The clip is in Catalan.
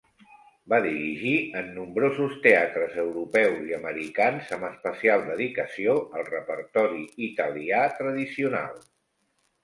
Va dirigir en nombrosos teatres europeus i americans, amb especial dedicació al repertori italià tradicional.